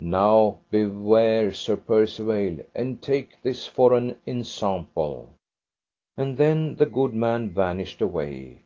Now beware Sir Percivale, and take this for an ensample. And then the good man vanished away.